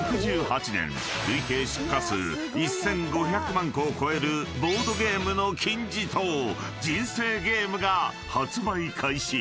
［累計出荷数１，５００万個を超えるボードゲームの金字塔人生ゲームが発売開始］